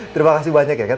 terima kasih banyak ya cat